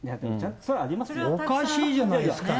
おかしいじゃないですか。